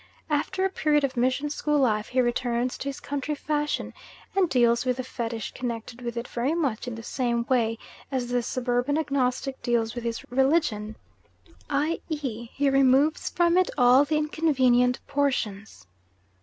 After a period of mission school life he returns to his country fashion, and deals with the fetish connected with it very much in the same way as the suburban agnostic deals with his religion, i.e. he removes from it all the inconvenient portions.